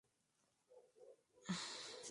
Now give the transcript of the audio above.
Luego ganaría la Supercopa Argentina.